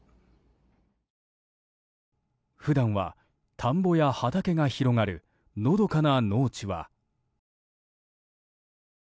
普段は、田んぼや畑が広がるのどかな農地は。